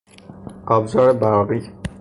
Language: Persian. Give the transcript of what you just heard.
ابزار برقی